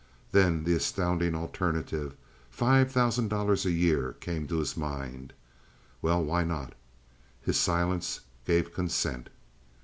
Then the astounding alternative—five thousand dollars a year—came to his mind. Well, why not? His silence gave consent.